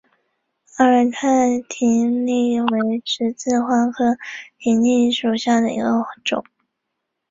阿尔泰葶苈为十字花科葶苈属下的一个种。